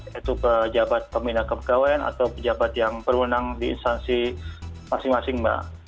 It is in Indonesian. yaitu pejabat pembina kepegawaian atau pejabat yang berwenang di instansi masing masing mbak